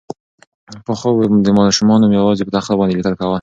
پخوا به ماسومانو یوازې په تخته باندې لیکل کول.